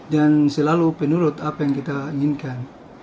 dan selalu penurut apa yang kita inginkan